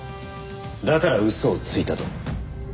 だから嘘をついたと。